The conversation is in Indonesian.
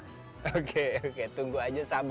oke oke tunggu aja sabar